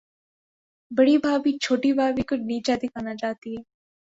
بڑی بھابھی، چھوٹی بھابھی کو نیچا دکھانا چاہتی ہے۔